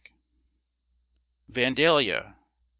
Vandalia, Dec.